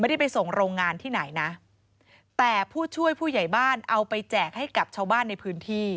ได้ไปส่งโรงงานที่ไหนนะแต่ผู้ช่วยผู้ใหญ่บ้านเอาไปแจกให้กับชาวบ้านในพื้นที่